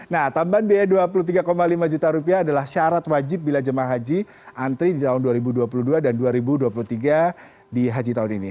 nah tambahan biaya dua puluh tiga lima juta rupiah adalah syarat wajib bila jemaah haji antri di tahun dua ribu dua puluh dua dan dua ribu dua puluh tiga di haji tahun ini